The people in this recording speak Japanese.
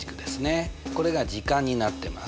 これが時間になってます。